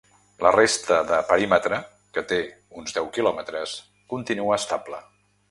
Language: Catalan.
La resta de perímetre, que té uns deu quilometres, continua estable.